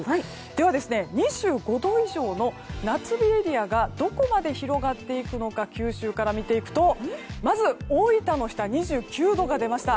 では、２５度以上の夏日エリアがどこまで広がっていくのか九州から見ていくとまず大分の日田２９度が出ました。